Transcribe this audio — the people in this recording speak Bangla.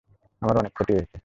আমার অনেক ক্ষতি হয়েছে।